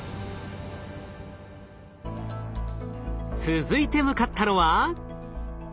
続いて向かったのは。